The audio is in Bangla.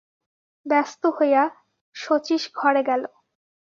ব্যস্ত হইয়া শচীশ ঘরে গেল।